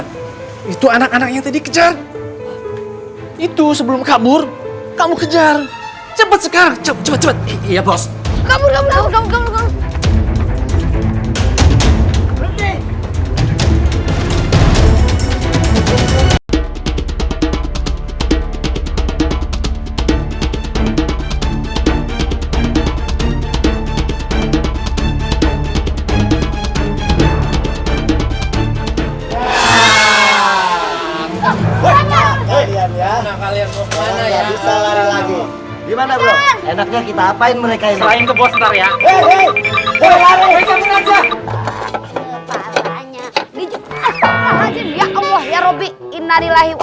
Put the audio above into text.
perasaan tadi lewat sini cepet banget larinya